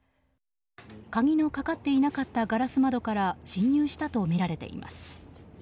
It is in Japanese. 鍵のかかっていなかったガラス窓から侵入したとみられています。